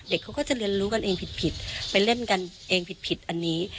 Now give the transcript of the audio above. เขาก็จะเรียนรู้กันเองผิดไปเล่นกันเองผิดอันนี้